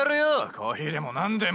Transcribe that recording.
コーヒーでもなんでも。